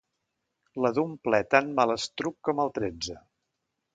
La d'un ple tan malastruc com el tretze.